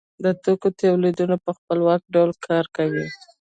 د توکو تولیدونکی په خپلواک ډول کار کوي